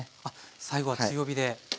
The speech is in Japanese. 最後は強火で。